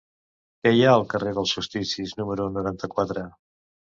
Què hi ha al carrer dels Solsticis número noranta-quatre?